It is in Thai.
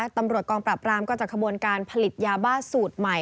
ตำรวจกองปรับรามก็จัดขบวนการผลิตยาบ้าสูตรใหม่